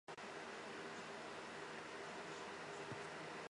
锚杆于转向架左右两侧的配置多为相对位置。